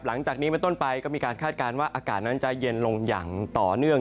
หลังจากนี้เป็นต้นไปก็มีการคาดการณ์ว่าอากาศนั้นจะเย็นลงอย่างต่อเนื่อง